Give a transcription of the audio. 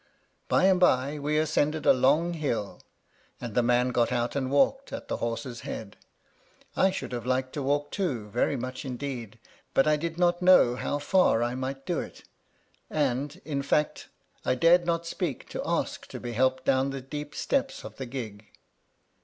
By and by we ascended a long hill, and the man got out and walked at the horse's head. 1 should have liked to walk, too, very much indeed ; but I did not know how far I might do it ; and, in fact, I dared not speak to ask to be helped down the deep steps of the gig.